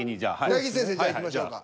大吉先生じゃあいきましょうか。